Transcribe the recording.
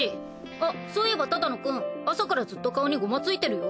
あっそういえば只野くん朝からずっと顔にゴマついてるよ。